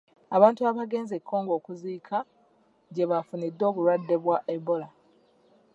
Abantu baagenze e Congo okuziika gye baafunidde obulwadde bwa ebola.